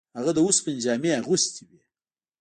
هغه د اوسپنې جامې اغوستې وې.